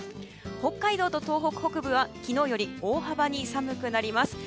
北海道と東北北部は昨日より大幅に寒くなります。